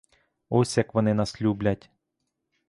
Ось як вони нас люблять!